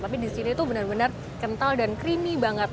tapi di sini tuh benar benar kental dan creamy banget